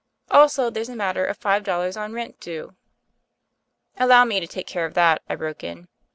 Also, there's a matter of five dollars on rent due " "Allow me to take care of that," I broke in.